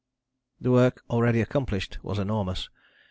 The work already accomplished was enormous.